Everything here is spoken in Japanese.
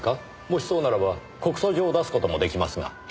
もしそうならば告訴状を出す事も出来ますが。